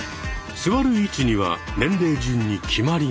座る位置には年齢順に決まりが。